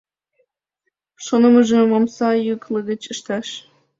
Шонымыжым омса йӱк лугыч ыштыш.